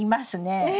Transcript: え